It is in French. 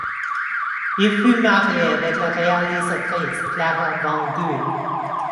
Il fut marié avec la réalisatrice Clara van Gool.